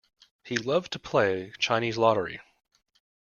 He loved to play Chinese lottery.